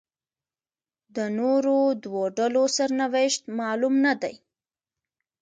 د نورو دوو ډلو سرنوشت معلوم نه دی.